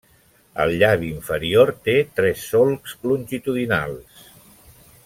El llavi inferior té tres solcs longitudinals.